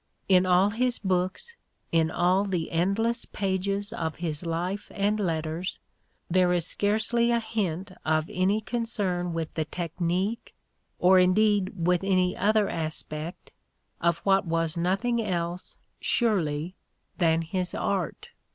In all his books, in all the endless pages of his life and letters, there is scarcely a hint of any concern with the tech nique, or indeed with any other aspect, of what was nothing else, surely, than his art.